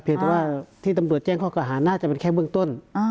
แต่ว่าที่ตำรวจแจ้งข้อกล่าหาน่าจะเป็นแค่เบื้องต้น